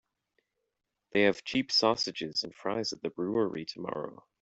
They have cheap sausages and fries at the brewery tomorrow.